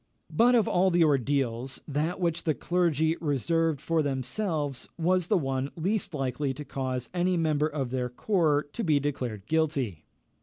But of all the ordeals, that which the clergy reserved for themselves was the one least likely to cause any member of their corps to be declared guilty.